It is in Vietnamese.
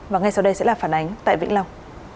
và ngay sau đây sẽ là phản ánh tại vĩnh long